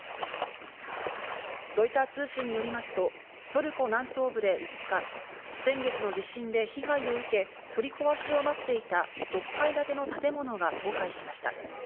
ロイター通信によりますとトルコ南東部で５日、先月の地震で被害を受け、取り壊しを待っていた６階建ての建物が倒壊しました。